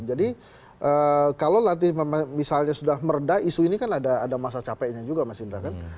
jadi kalau nanti misalnya sudah meredah isu ini kan ada masa capeknya juga mas indra kan